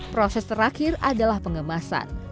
proses terakhir adalah pengemasan